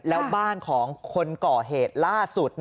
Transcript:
แล้วบ้านของคนก่อเหตุล่าสุด